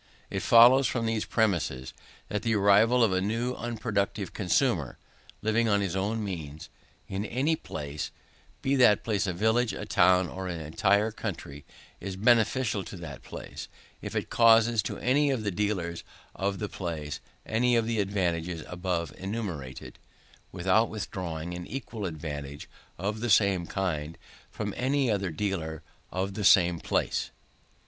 It follows from these premises, that the arrival of a new unproductive consumer (living on his own means) in any place, be that place a village, a town, or an entire country, is beneficial to that place, if it causes to any of the dealers of the place any of the advantages above enumerated, without withdrawing an equal advantage of the same kind from any other dealer of the same place.